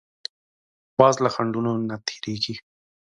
باز له خنډونو نه تېرېږي